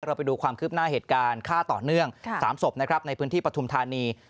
ไปดูความคืบหน้าเหตุการณ์ฆ่าต่อเนื่อง๓ศพนะครับในพื้นที่ปฐุมธานี